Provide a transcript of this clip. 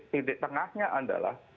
titik tengahnya adalah